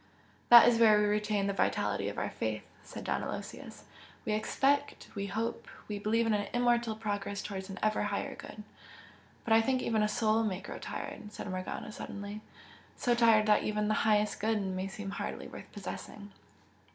"That is where we retain the vitality of our faith " said Don Aloysius "We expect we hope! We believe in an immortal progress towards an ever Higher Good." "But I think even a soul may grow tired!" said Morgana, suddenly "so tired that even the Highest Good may seem hardly worth possessing!"